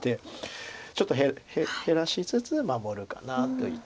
ちょっと減らしつつ守るかなといった。